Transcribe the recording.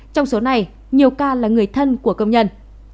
trong số này nhiều ca là người thân của công nhân